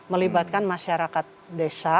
melibatkan masyarakat desa